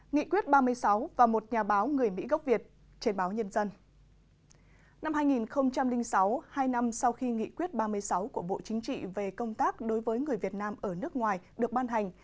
năm hai nghìn sáu hai năm sau khi nghị quyết ba mươi sáu của bộ chính trị về công tác đối với người việt nam ở nước ngoài được ban hành